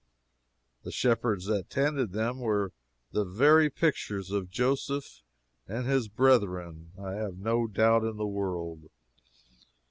The shepherds that tended them were the very pictures of Joseph and his brethren I have no doubt in the world.